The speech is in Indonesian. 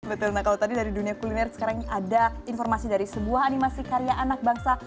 betul nah kalau tadi dari dunia kuliner sekarang ada informasi dari sebuah animasi karya anak bangsa